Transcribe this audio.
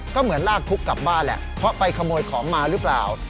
ก็เหมือนลากทุกข์กลับบ้านแหละเพราะไปขโมยของมาหรือเปล่า